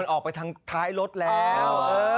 ออกไปทางท้ายรถแล้ว